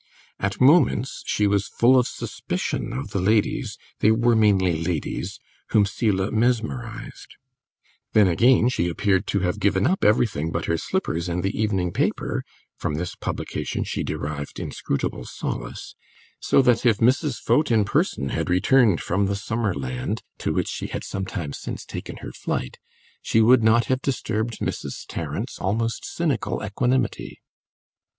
At moments she was full of suspicion of the ladies (they were mainly ladies) whom Selah mesmerised; then again she appeared to have given up everything but her slippers and the evening paper (from this publication she derived inscrutable solace), so that if Mrs. Foat in person had returned from the summer land (to which she had some time since taken her flight), she would not have disturbed Mrs. Tarrant's almost cynical equanimity.